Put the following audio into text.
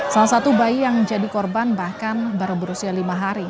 salah satu bayi yang jadi korban bahkan baru berusia lima hari